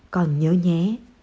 con nhớ nhé